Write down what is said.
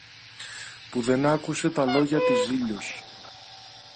που δεν άκουσε τα λόγια της Ζήλιως.